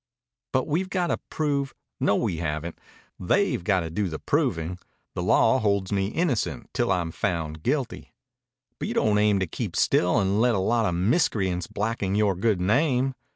"But we've got to prove " "No, we haven't. They've got to do the proving. The law holds me innocent till I'm found guilty." "But you don't aim to keep still and let a lot of miscreants blacken yore good name!"